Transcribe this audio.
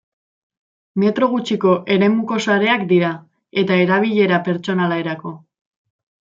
Metro gutxiko eremuko sareak dira eta erabilera pertsonalerako.